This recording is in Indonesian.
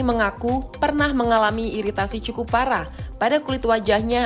mengaku pernah mengalami iritasi cukup parah pada kulit wajahnya